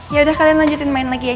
yaudah kalian lanjutin main lagi ya